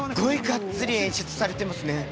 がっつり演出されてますね。